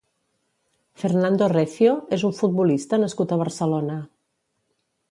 Fernando Recio és un futbolista nascut a Barcelona.